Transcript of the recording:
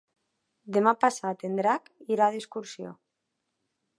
Demà passat en Drac irà d'excursió.